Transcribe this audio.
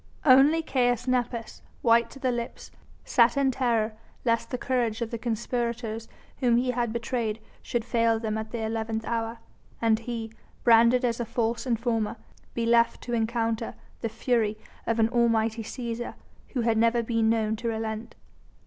Only Caius Nepos, white to the lips, sat in terror lest the courage of the conspirators whom he had betrayed should fail them at the eleventh hour, and he branded as a false informer be left to encounter the fury of an almighty Cæsar, who had never been known to relent.